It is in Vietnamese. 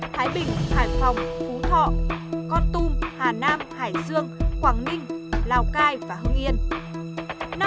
thái bình hải phòng phú thọ con tum hà nam hải dương quảng ninh lào cai và hưng yên